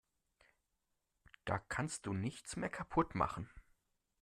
Da kannst du nichts mehr kaputt machen.